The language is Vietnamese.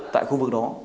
tại khu vực đó